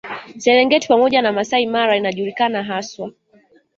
Serengeti pamoja na Masai Mara inajulikana hasa